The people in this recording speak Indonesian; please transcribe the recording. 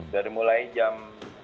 dari mulai jam